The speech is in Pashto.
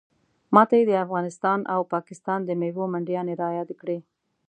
ماته یې د افغانستان او پاکستان د میوو منډیانې رایادې کړې.